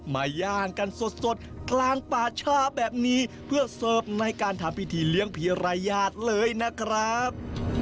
มาย่างกันสดกลางป่าชาแบบนี้เพื่อเสิร์ฟในการทำพิธีเลี้ยงผีรายญาติเลยนะครับ